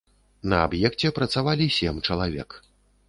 На аб'екце працавалі сем чалавек.